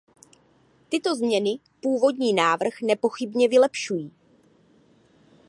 Tyto změny původní návrh nepochybně vylepšují.